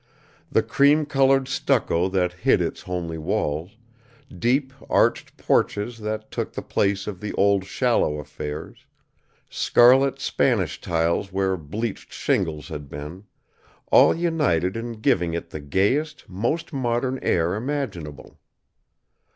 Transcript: The cream colored stucco that hid its homely walls, deep, arched porches that took the place of the old shallow affairs, scarlet Spanish tiles where bleached shingles had been all united in giving it the gayest, most modern air imaginable.